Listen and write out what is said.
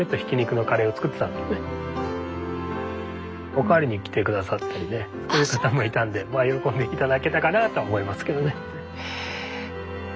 おかわりに来て下さったりねそういう方もいたんで喜んで頂けたかなとは思いますけどね。